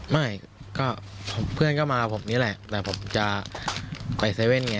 ไม่ก็เพื่อนก็มาผมนี่แหละแต่ผมจะไปเซเว่นไง